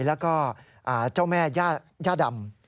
แล้วก็เจ้าแม่ย่าดำ